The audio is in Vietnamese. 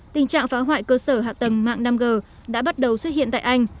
tình trạng phá hoại cơ sở hạ tầng mạng năm g đã bắt đầu xuất hiện tại anh